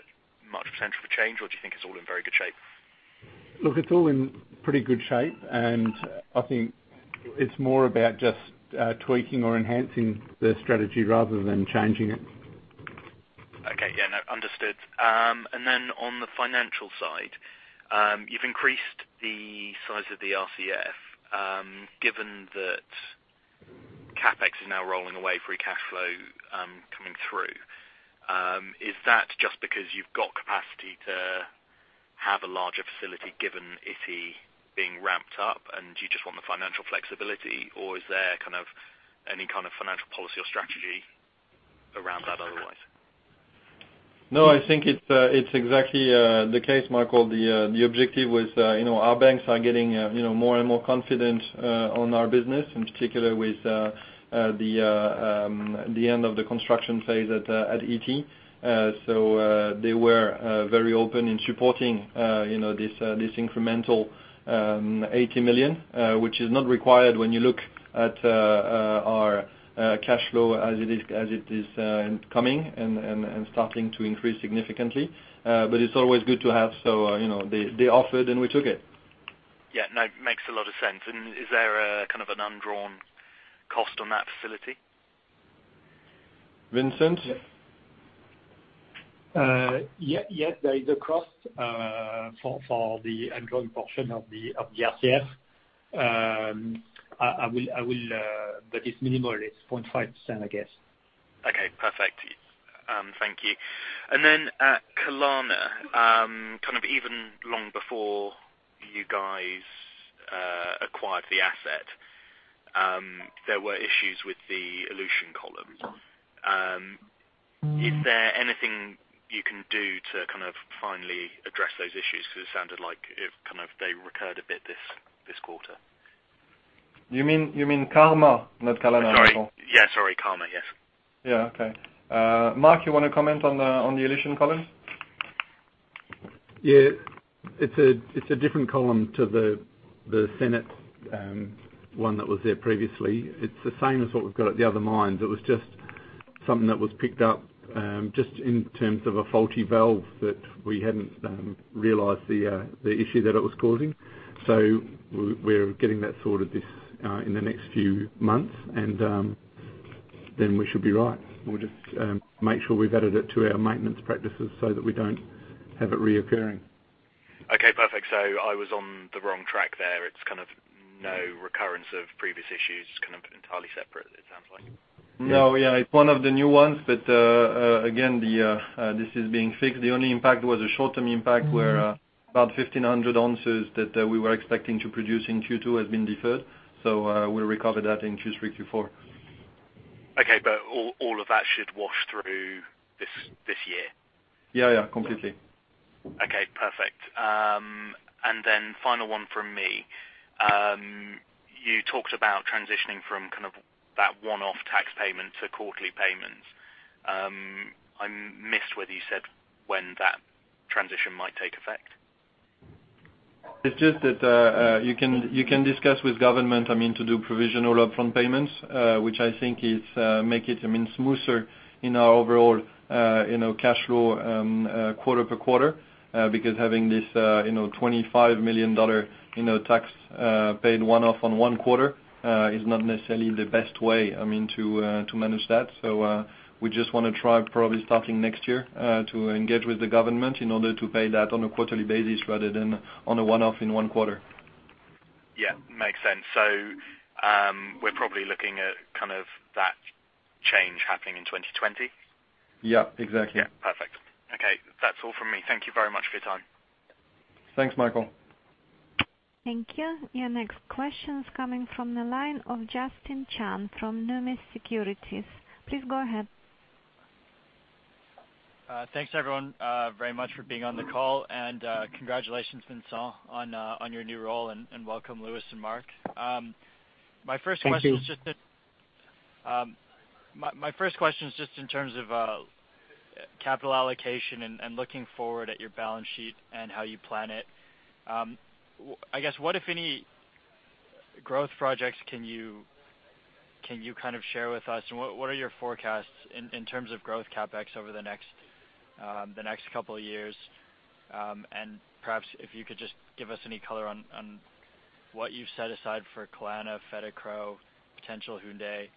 much potential for change, or do you think it's all in very good shape? Look, it's all in pretty good shape, and I think it's more about just tweaking or enhancing the strategy rather than changing it. Okay. Yeah, no. Understood. Then on the financial side, you've increased the size of the RCF. Given that CapEx is now rolling away free cash flow coming through, is that just because you've got capacity to have a larger facility given Ity being ramped up, and do you just want the financial flexibility, or is there any kind of financial policy or strategy around that otherwise? I think it's exactly the case, Michael. The objective with our banks are getting more and more confident on our business, in particular with the end of the construction phase at Ity. They were very open in supporting this incremental $80 million, which is not required when you look at our cash flow as it is coming and starting to increase significantly. It's always good to have, so they offered and we took it. Yeah, no, makes a lot of sense. Is there a kind of an undrawn cost on that facility? Vincent? Yes, there is a cost for the undrawn portion of the RCF. It's minimal. It's 0.5%, I guess. Okay, perfect. Thank you. At Kalana, kind of even long before you guys acquired the asset, there were issues with the elution column. Is there anything you can do to finally address those issues? It sounded like they recurred a bit this quarter. You mean Karma, not Kalana you said? Sorry. Yeah, sorry. Karma, yes. Yeah. Okay. Mark, you want to comment on the elution column? Yeah. It's a different column to the CIL one that was there previously. It's the same as what we've got at the other mines. It was just something that was picked up, just in terms of a faulty valve that we hadn't realized the issue that it was causing. We're getting that sorted in the next few months. We should be right. We'll just make sure we've added it to our maintenance practices so that we don't have it reoccurring. Okay, perfect. I was on the wrong track there. It's no recurrence of previous issues. It's entirely separate, it sounds like. No, yeah. It's one of the new ones. Again, this is being fixed. The only impact was a short-term impact. where about 1,500 ounces that we were expecting to produce in Q2 has been deferred. We'll recover that in Q3, Q4. Okay. All of that should wash through this year? Yeah. Completely. Okay, perfect. Then final one from me. You talked about transitioning from that one-off tax payment to quarterly payments. I missed whether you said when that transition might take effect. It's just that you can discuss with government to do provisional upfront payments, which I think make it smoother in our overall cashflow quarter per quarter. Having this $25 million tax paid one-off on one quarter is not necessarily the best way to manage that. We just want to try, probably starting next year, to engage with the government in order to pay that on a quarterly basis rather than on a one-off in one quarter. Yeah, makes sense. We're probably looking at that change happening in 2020? Yeah, exactly. Yeah. Perfect. Okay. That is all from me. Thank you very much for your time. Thanks, Michael. Thank you. Your next question is coming from the line of Justin Chan from Numis Securities. Please go ahead. Thanks, everyone, very much for being on the call. Congratulations, Vincent, on your new role, and welcome Louis and Mark. Thank you. My first question is just in terms of capital allocation and looking forward at your balance sheet and how you plan it. I guess, what, if any, growth projects can you share with us? What are your forecasts in terms of growth CapEx over the next couple of years? Perhaps if you could just give us any color on what you've set aside for Kalana, Fetekro, potential Houndé.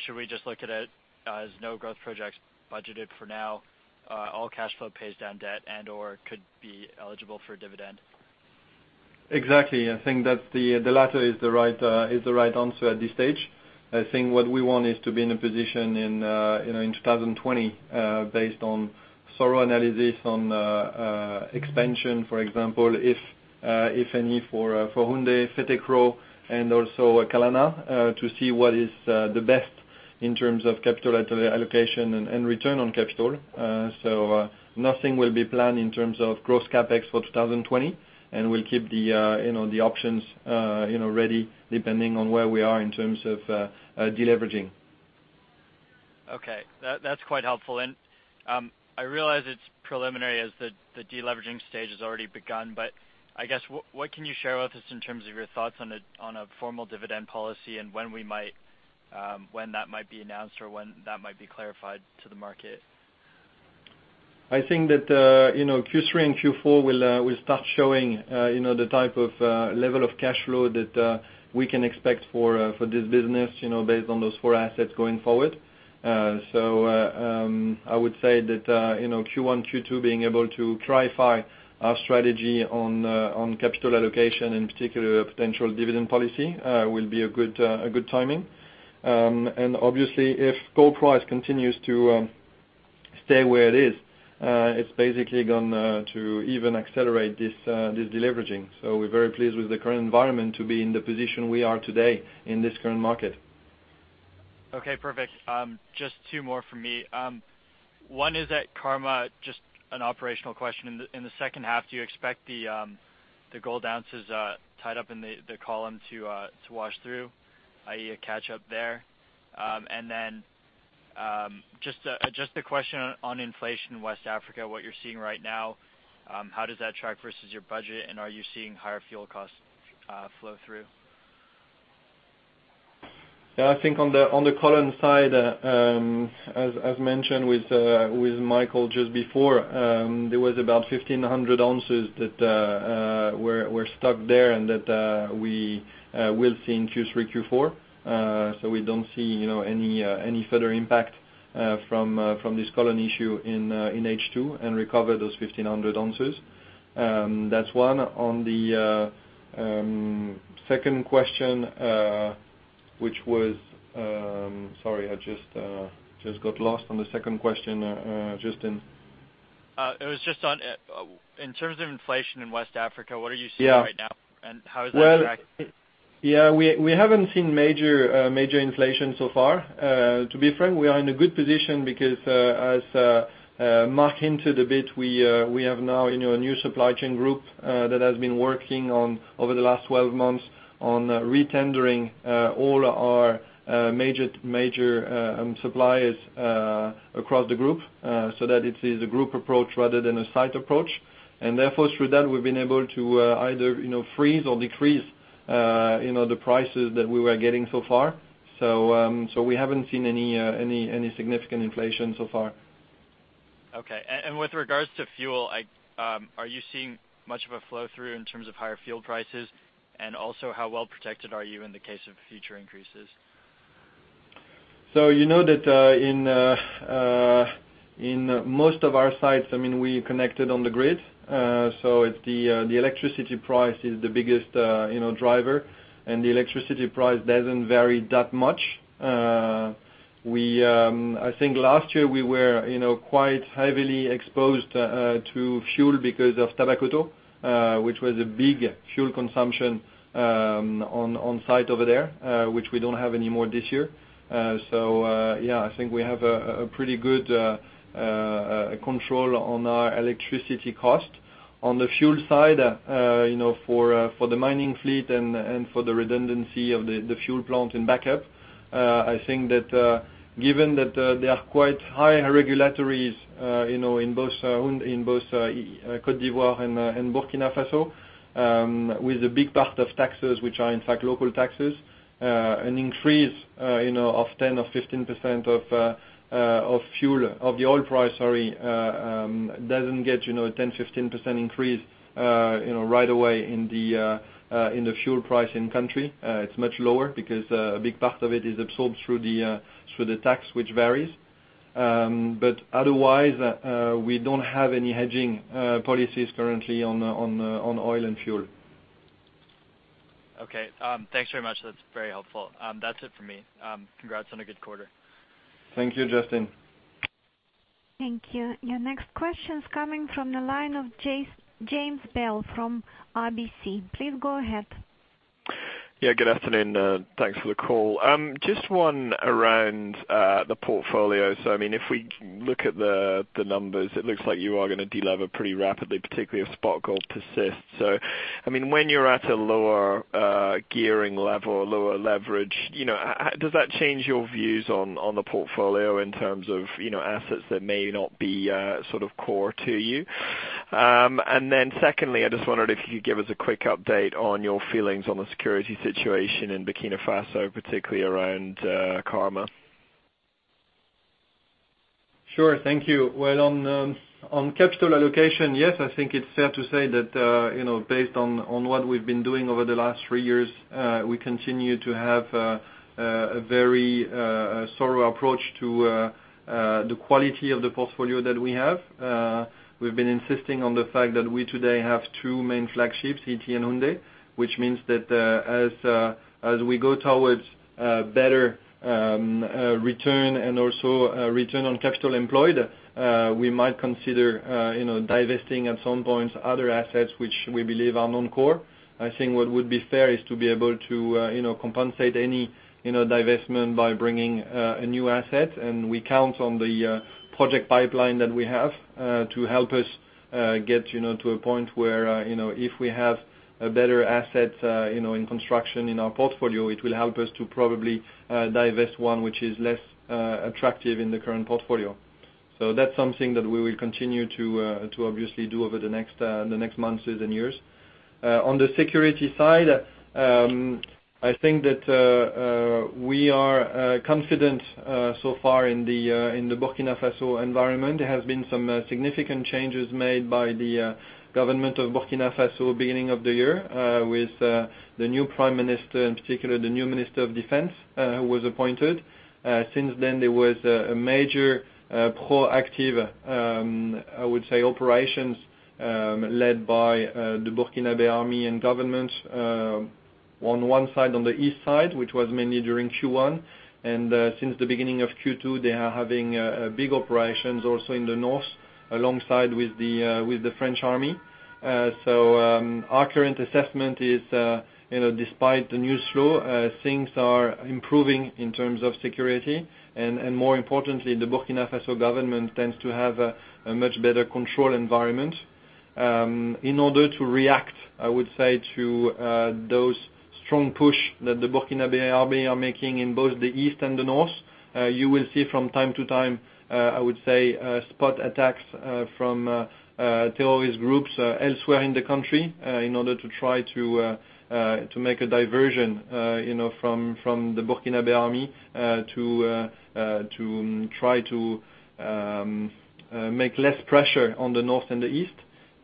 Should we just look at it as no growth projects budgeted for now, all cash flow pays down debt and/or could be eligible for a dividend? Exactly. I think that the latter is the right answer at this stage. I think what we want is to be in a position in 2020, based on thorough analysis on expansion, for example, if any, for Houndé, Fetekro, and also Kalana, to see what is the best in terms of capital allocation and return on capital. Nothing will be planned in terms of growth CapEx for 2020, and we'll keep the options ready depending on where we are in terms of de-leveraging. Okay. That's quite helpful. I realize it's preliminary as the de-leveraging stage has already begun, I guess what can you share with us in terms of your thoughts on a formal dividend policy and when that might be announced or when that might be clarified to the market? I think that Q3 and Q4 will start showing the type of level of cash flow that we can expect for this business based on those four assets going forward. I would say that Q1, Q2, being able to clarify our strategy on capital allocation, in particular a potential dividend policy, will be a good timing. Obviously if gold price continues to stay where it is, it's basically going to even accelerate this de-leveraging. We're very pleased with the current environment to be in the position we are today in this current market. Okay, perfect. Just two more from me. One is at Karma, just an operational question. In the second half, do you expect the gold ounces tied up in the column to wash through, i.e. a catch-up there? Just a question on inflation in West Africa, what you're seeing right now, how does that track versus your budget, and are you seeing higher fuel costs flow through? Yeah, I think on the column side, as mentioned with Michael just before, there was about 1,500 ounces that were stuck there and that we will see in Q3, Q4. We don't see any further impact from this column issue in H2 and recover those 1,500 ounces. That's one. On the second question, which was Sorry, I just got lost on the second question, Justin. It was just on, in terms of inflation in West Africa, what are you seeing right now? Yeah. How is that tracking? Well, we haven't seen major inflation so far. To be frank, we are in a good position because, as Mark hinted a bit, we have now a new supply chain group that has been working over the last 12 months on re-tendering all our major suppliers across the group, so that it is a group approach rather than a site approach. Therefore, through that, we've been able to either freeze or decrease the prices that we were getting so far. We haven't seen any significant inflation so far. Okay. With regards to fuel, are you seeing much of a flow-through in terms of higher fuel prices? Also, how well-protected are you in the case of future increases? You know that in most of our sites, we connected on the grid. The electricity price is the biggest driver, and the electricity price doesn't vary that much. I think last year we were quite heavily exposed to fuel because of Tabakoto, which was a big fuel consumption on site over there, which we don't have anymore this year. Yeah, I think we have a pretty good control on our electricity cost. On the fuel side, for the mining fleet and for the redundancy of the fuel plant and backup, I think that given that they are quite high regulatories in both Côte d'Ivoire and Burkina Faso, with a big part of taxes, which are, in fact, local taxes, an increase of 10% or 15% of the oil price doesn't get 10%, 15% increase right away in the fuel price in country. It's much lower because a big part of it is absorbed through the tax, which varies. Otherwise, we don't have any hedging policies currently on oil and fuel. Okay. Thanks very much. That's very helpful. That's it for me. Congrats on a good quarter. Thank you, Justin. Thank you. Your next question's coming from the line of James Bell from RBC. Please go ahead. Yeah, good afternoon. Thanks for the call. Just one around the portfolio. If we look at the numbers, it looks like you are going to de-lever pretty rapidly, particularly if spot gold persists. When you're at a lower gearing level, lower leverage, does that change your views on the portfolio in terms of assets that may not be sort of core to you? Secondly, I just wondered if you could give us a quick update on your feelings on the security situation in Burkina Faso, particularly around Karma. Sure. Thank you. Well, on capital allocation, yes, I think it's fair to say that based on what we've been doing over the last three years, we continue to have a very thorough approach to the quality of the portfolio that we have. We've been insisting on the fact that we today have two main flagships, Ity and Houndé, which means that as we go towards better return and also return on capital employed, we might consider divesting at some point other assets which we believe are non-core. I think what would be fair is to be able to compensate any divestment by bringing a new asset, and we count on the project pipeline that we have to help us get to a point where if we have a better asset in construction in our portfolio, it will help us to probably divest one which is less attractive in the current portfolio. That's something that we will continue to obviously do over the next months and years. On the security side, I think that we are confident so far in the Burkina Faso environment. There have been some significant changes made by the government of Burkina Faso beginning of the year, with the new prime minister, in particular, the new minister of defense who was appointed. There was a major proactive, I would say, operations led by the Burkinabe Army and government on one side, on the east side, which was mainly during Q1. Since the beginning of Q2, they are having big operations also in the north alongside with the French Army. Our current assessment is, despite the news flow, things are improving in terms of security. More importantly, the Burkina Faso Government tends to have a much better control environment. In order to react, I would say, to those strong push that the Burkinabe Army are making in both the east and the north, you will see from time to time, I would say, spot attacks from terrorist groups elsewhere in the country in order to try to make a diversion from the Burkinabe Army to try to make less pressure on the north and the east.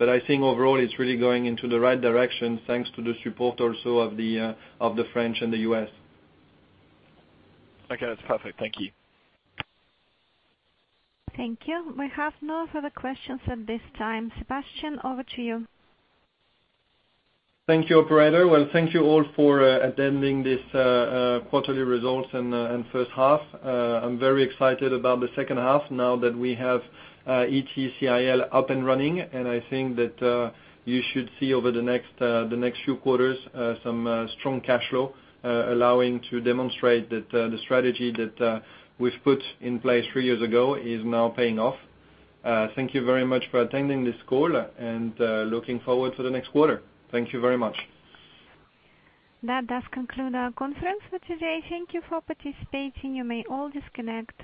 I think overall, it's really going into the right direction, thanks to the support also of the French and the U.S. Okay. That's perfect. Thank you. Thank you. We have no further questions at this time. Sébastien, over to you. Thank you, operator. Well, thank you all for attending this quarterly results and first half. I'm very excited about the second half now that we have Ity CIL up and running, and I think that you should see over the next few quarters some strong cash flow allowing to demonstrate that the strategy that we've put in place three years ago is now paying off. Thank you very much for attending this call, and looking forward to the next quarter. Thank you very much. That does conclude our conference for today. Thank you for participating. You may all disconnect.